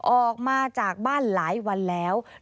ออกมาจากบ้านหลายวันแล้ว